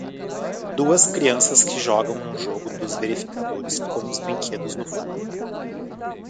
Duas crianças que jogam um jogo dos verificadores com os brinquedos no fundo.